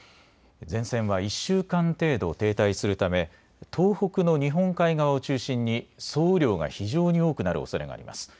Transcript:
前線は１週間程度停滞するため東北の日本海側を中心に総雨量が非常に多くなるおそれがあります。